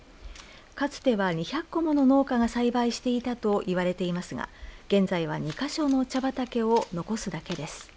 かつては２００戸もの農家が栽培していたといわれていますが現在は２か所の茶畑を残すだけです。